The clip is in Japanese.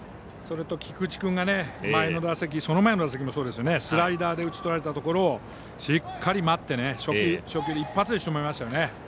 それと菊地、前の打席その前の打席とスライダーで打ち取られたところをしっかり待って初球、一発でしとめましたね。